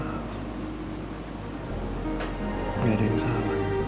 nggak ada yang salah